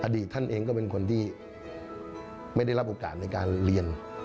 อดีตท่านเองก็เป็นคนที่ไม่ได้รับอุปกรณ์ในการเรียน